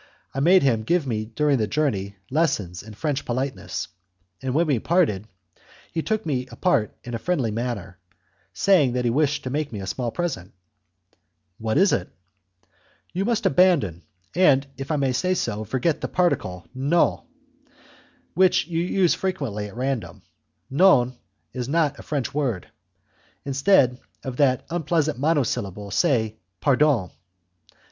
I made him give me during the journey lessons in French politeness, and when we parted he took me apart in a friendly manner, saying that he wished to make me a small present. "What is it?" "You must abandon, and, if I may say so, forget, the particle 'non', which you use frequently at random. 'Non' is not a French word; instead of that unpleasant monosyllable, say, 'Pardon'.